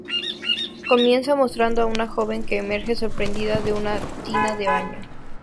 Comienza mostrando a una joven que emerge sorprendida de una tina de baño.